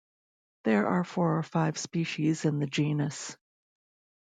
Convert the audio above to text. There are four or five species in the genus.